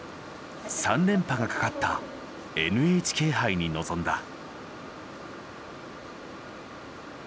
３連覇がかかったＮＨＫ杯に臨んだ。